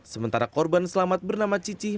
sementara korban selamat bernama cicih